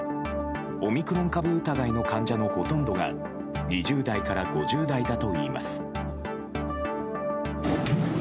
オミクロン株疑いの患者のほとんどが２０代から５０代だといいます。